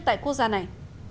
tại quốc gia này